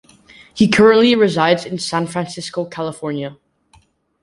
He currently resides in San Francisco, California.